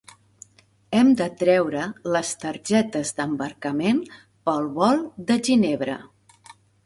Hem de treure les targetes d'embarcament pel vol de Ginebra.